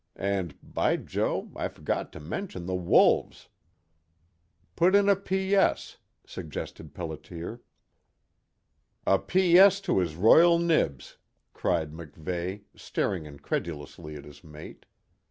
And By Jo, I forgot to mention the wolves!" "Put in a P. S.," suggested Pelliter. "A P. S. to his Royal Nibs!" cried MacVeigh, staring incredulously at his mate.